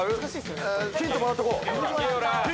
ヒントもらっとこう。